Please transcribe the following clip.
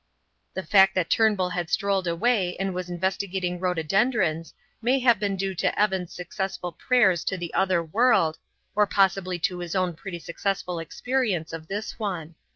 The fact that Turnbull had strolled away and was investigating rhododendrons may have been due to Evan's successful prayers to the other world, or possibly to his own pretty successful experience of this one.